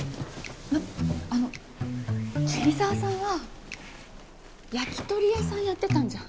あの桐沢さんは焼き鳥屋さんやってたんじゃ？